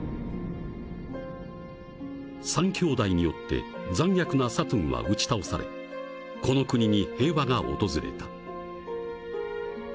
［三兄弟によって残虐なサトゥンは打ち倒されこの国に平和が訪れた］